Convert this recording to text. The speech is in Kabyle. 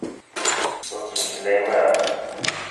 Ur ttmeslayem ara!